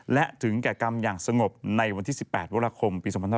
และถึงแก่กรรมอย่างสงบในวันที่๑๘วราคมปี๒๕๖๒